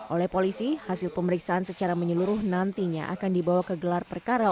oleh polisi hasil pemeriksaan secara menyeluruh nantinya akan dibawa ke gelar perkara